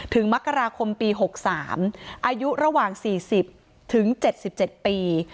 มกราคมปี๖๓อายุระหว่าง๔๐ถึง๗๗ปี